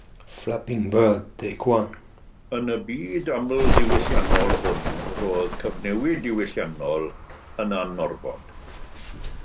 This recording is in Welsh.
Yn y byd amlddiwylliannol hwn roedd cyfnewid diwylliannol yn anorfod